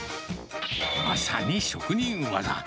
まさに職人技。